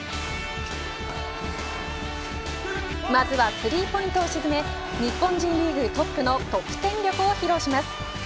まずはスリーポイントを沈め日本人リーグトップの得点力を披露します。